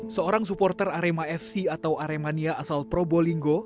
seorang supporter arema fc atau aremania asal pro bowlingo